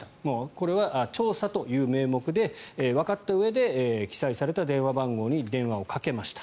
これは調査という名目でわかったうえで記載された電話番号に電話をかけました。